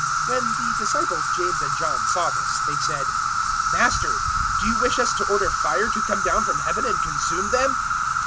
009:054 When the disciples James and John saw this, they said, "Master, do you wish us to order fire to come down from Heaven and consume them?"